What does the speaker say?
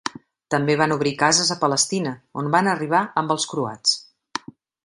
També van obrir cases a Palestina, on van arribar amb els croats.